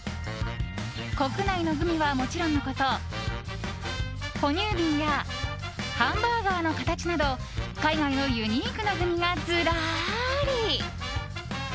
国内のグミはもちろんのこと哺乳瓶やハンバーガーの形など海外のユニークなグミがずらり。